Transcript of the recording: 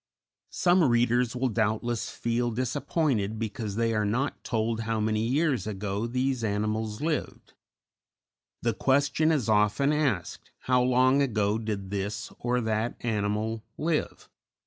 _ _Some readers will doubtless feel disappointed because they are not told how many years ago these animals lived. The question is often asked How long ago did this or that animal live?